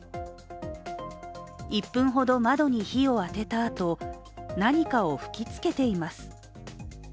１分ほど窓に火を当てたあと何かを吹き付けています。